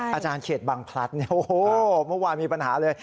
อาจารย์เขตบังพลัดเนี่ยโอ้โหเมื่อวานมีปัญหาเลย